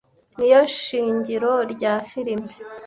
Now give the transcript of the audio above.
niyo shingiro rya firime